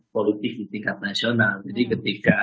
politik di tingkat nasional jadi ketika